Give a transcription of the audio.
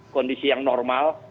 kondisi yang normal